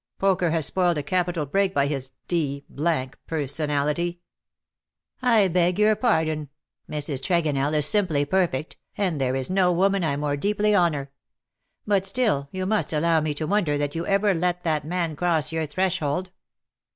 Poker has spoiled a capital break by his d d personality/' " I beg your pardon — Mrs. Tregonell is ^simply perfect, and there is no woman I more deeply honour. But still you must allow me to wonder that you ever let that man cross your threshold.